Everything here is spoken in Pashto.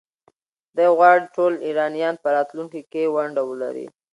ده غواړي ټول ایرانیان په راتلونکي کې ونډه ولري.